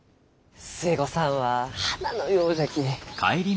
寿恵子さんは花のようじゃき。